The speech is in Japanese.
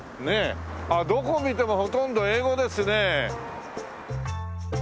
どこを見てもほとんど英語ですね。